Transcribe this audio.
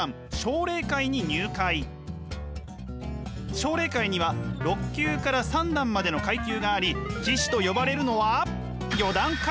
奨励会には６級から三段までの階級があり棋士と呼ばれるのは四段から。